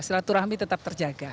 silaturahmi tetap terjaga